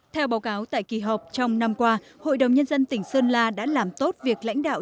theo báo cáo tại kỳ họp trong năm qua hội đồng nhân dân tỉnh sơn la đã làm tốt việc lãnh đạo